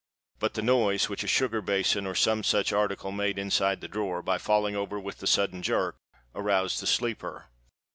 But the noise which a sugar basin or some such article made inside the drawer, by falling over with the sudden jerk, aroused the sleeper.